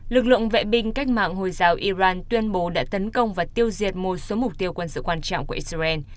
lực lượng vệ binh cách mạng hồi giáo iran tuyên bố đã tấn công và tiêu diệt một số mục tiêu quân sự quan trọng của israel